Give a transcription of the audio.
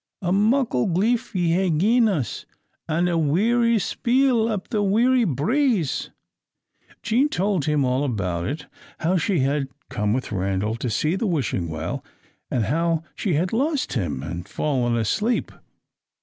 A muckle gliff ye hae gien us, and a weary spiel up the weary braes." Jean told him all about it: how she had come with Randal to see the Wishing Well, and how she had lost him, and fallen asleep.